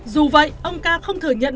dù vậy ông ca không thừa nhận